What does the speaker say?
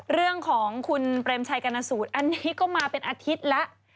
เรื่องของคุณเปรมชัยกรณสูตรอันนี้ก็มาเป็นอาทิตย์แล้ว